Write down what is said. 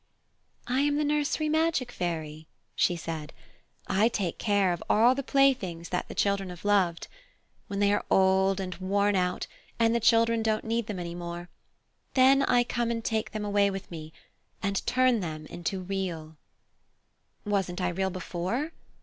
"I am the nursery magic Fairy," she said. "I take care of all the playthings that the children have loved. When they are old and worn out and the children don't need them any more, then I come and take them away with me and turn them into Real." "Wasn't I Real before?"